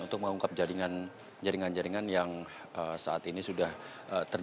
untuk mengungkap jaringan jaringan yang saat ini sudah terjadi